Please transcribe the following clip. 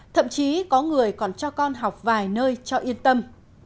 thậm chí có người còn cho con học vài nơi cho yên tâm